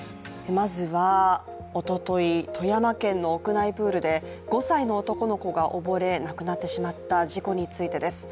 まずはおととい、富山県の屋内プールで５歳の男の子が溺れ、亡くなってしまった事故についてです。